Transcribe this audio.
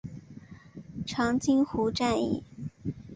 长津湖战役